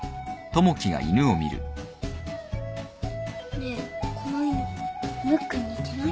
ねえこの犬ムックに似てない？